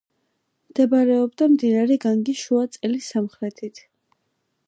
მდებარეობდა მდინარე განგის შუა წელის სამხრეთით.